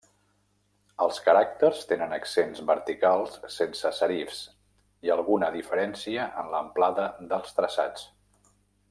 Els caràcters tenen accents verticals sense serifs i alguna diferència en l'amplada dels traçats.